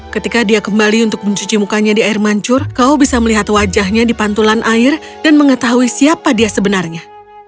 ketika dia kembali untuk mencuci mukanya di air mancur kau bisa melihat wajahnya di pantulan air dan mengetahui siapa dia sebenarnya